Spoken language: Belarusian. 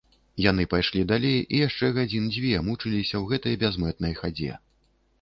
Яны пайшлі далей і яшчэ гадзін дзве мучыліся ў гэтай бязмэтнай хадзе.